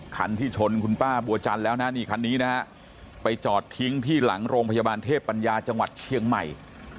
คันที่ชนคุณป้าบัวจันทร์แล้วนะนี่คันนี้นะฮะไปจอดทิ้งที่หลังโรงพยาบาลเทพปัญญาจังหวัดเชียงใหม่